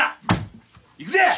行くで！